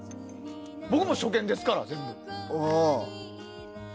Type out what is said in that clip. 僕も初見ですから。